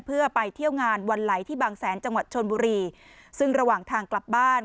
เพื่อไปเที่ยวงานวันไหลที่บางแสนจังหวัดชนบุรีซึ่งระหว่างทางกลับบ้าน